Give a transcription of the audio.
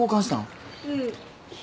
うん。